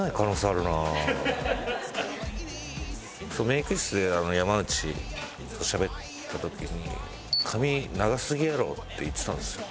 メイク室で山内としゃべった時に「髪長すぎやろ」って言ってたんですよ。